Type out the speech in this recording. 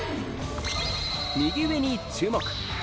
右上に注目。